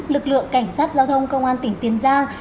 lực lượng cảnh sát giao thông công an tỉnh tiền giang